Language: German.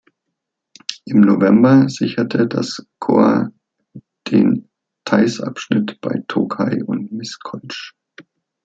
Im November sicherte das Korps den Theiß-Abschnitt bei Tokaj und Miskolc.